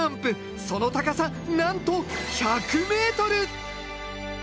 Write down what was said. その高さなんと１００ｍ！